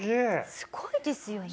すごいですよね。